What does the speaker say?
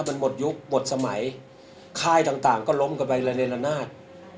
หมดยุคหมดสมัยค่ายต่างก็ล้มกันไประเนละนาด